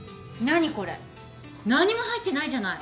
何も入ってないじゃない！